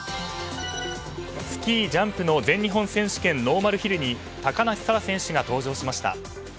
スキージャンプの全日本選手権ノーマルヒルに高梨沙羅選手が登場しました。